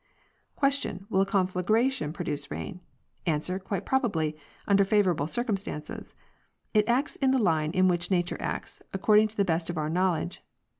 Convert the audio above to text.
Q. Will a conflagration produce rain? <A. Quite probably, under favorable circumstances. It acts in the line in which nature acts, according to the best of our knowledge.